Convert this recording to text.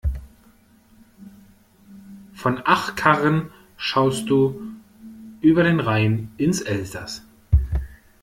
Von Achkarren schaust du über den Rhein ins Elsass.